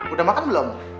udah makan belum